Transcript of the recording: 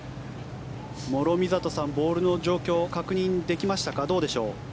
諸見里さん、ボールの状況確認できましたか？